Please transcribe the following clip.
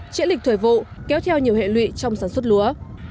trễ lịch thời vụ kéo theo nhiều hệ lụy trong sản xuất lúa